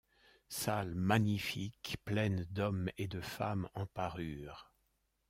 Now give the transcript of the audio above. Salles magnifiques pleines d’hommes et de femmes en parure.